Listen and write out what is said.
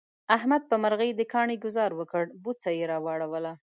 احمد په مرغی د کاڼي گذار وکړ، بوڅه یې را وړوله.